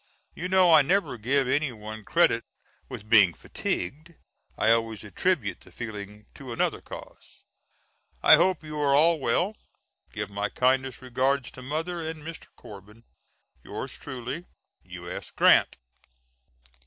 You know I never give any one credit with being fatigued; I always attribute the feeling to another cause. I hope you are all well. Give my kindest regards to Mother and Mr. Corbin. Yours truly, U.S. GRANT.